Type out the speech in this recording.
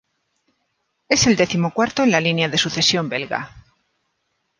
Es el decimocuarto en la línea de sucesión belga.